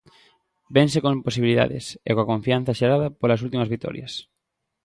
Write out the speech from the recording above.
Vense con posibilidades, e coa confianza xerada polas últimas vitorias.